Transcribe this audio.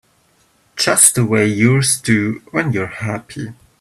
Just the way yours do when you're happy.